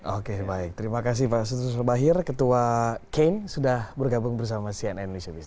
oke baik terima kasih pak sudrus bahir ketua kane sudah bergabung bersama cn indonesia busine